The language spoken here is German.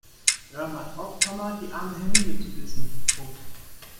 Hört mal auf, die arme Hermine zu dissen.